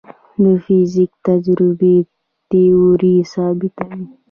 د فزیک تجربې تیوري ثابتوي.